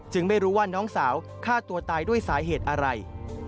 ไม่รู้ว่าน้องสาวฆ่าตัวตายด้วยสาเหตุอะไร